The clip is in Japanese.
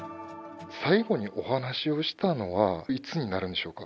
最後にお話をしたのは、いつになるんでしょうか。